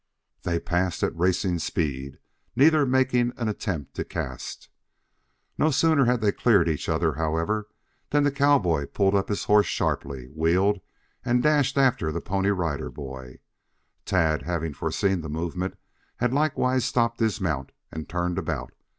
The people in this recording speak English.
They passed at racing speed, neither making an attempt to cast. No sooner had they cleared each other, however, than the cowboy pulled up his horse sharply, wheeled and dashed after the Pony Rider Boy. Tad, having foreseen the movement, had likewise stopped his mount, and turned about.